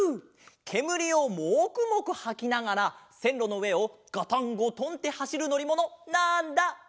けむりをモクモクはきながらせんろのうえをガタンゴトンってはしるのりものなんだ？